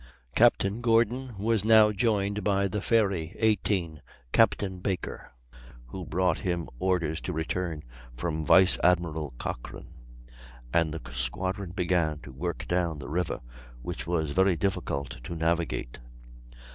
Captain Gordon was now joined by the Fairy, 18, Captain Baker, who brought him orders to return from Vice Admiral Cochrane; and the squadron began to work down the river, which was very difficult to navigate.